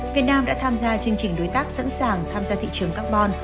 việt nam đã tham gia chương trình đối tác sẵn sàng tham gia thị trường carbon